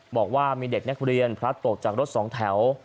บอกว่ามีเด็กนักเรียนพลัดตกจากรถสองแถว